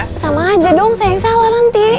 sama aja dong saya yang salah nanti